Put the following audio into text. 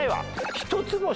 一つ星。